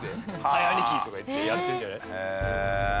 「はい兄貴」とか言ってやってるんじゃない？